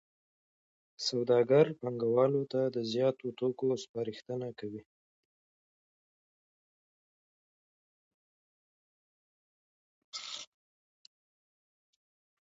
سوداګر پانګوالو ته د زیاتو توکو سپارښتنه کوي